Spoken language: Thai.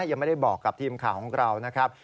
ยังไม่ได้บอกกับทีมข่าวของเรานะครับ